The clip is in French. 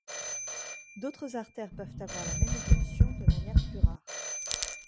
D'autres artères peuvent avoir la même évolution de manière plus rare.